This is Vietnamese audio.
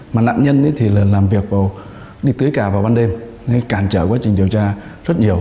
mà nạn nhân thì làm việc đi tưới cà vào ban đêm cạn trở quá trình điều tra rất nhiều